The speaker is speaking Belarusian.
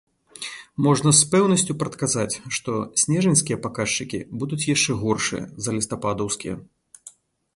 Можна з пэўнасцю прадказаць, што снежаньскія паказчыкі будуць яшчэ горшыя за лістападаўскія.